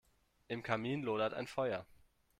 Im Kamin lodert ein Feuer.